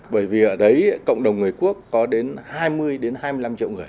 bởi vì ở đấy cộng đồng người quốc có đến hai mươi hai mươi năm triệu người